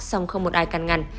song không một ai cắn ngăn